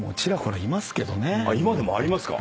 今でもありますか？